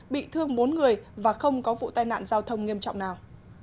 bị thương bốn người và không có vụ tai nạn giao thông nghiêm trọng nào